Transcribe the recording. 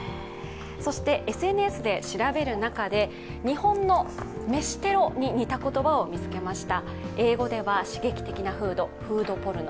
そしてＳＮＳで調べる中で日本の飯テロに似た言葉を見つけました。